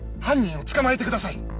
犯人を捕まえてください。